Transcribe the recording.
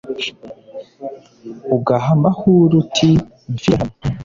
ugahama aho uri uti « mfire hano !»